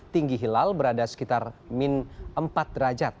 tinggi hilal berada sekitar min empat derajat